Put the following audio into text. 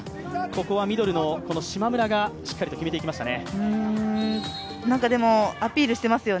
ここはミドルの島村がしっかりと決めていきましたね。